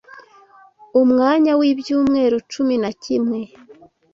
umwanya wibyumweru cumi na kimwe